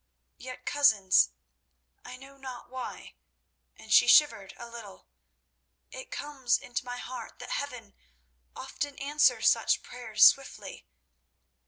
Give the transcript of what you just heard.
Yet, cousins, I know not why"—and she shivered a little—"it comes into my heart that Heaven often answers such prayers swiftly.